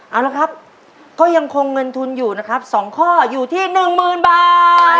เอาละครับก็ยังคงเงินทุนอยู่นะครับ๒ข้ออยู่ที่๑๐๐๐บาท